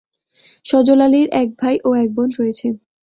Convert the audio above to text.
সজল আলীর এক ভাই ও এক বোন রয়েছে।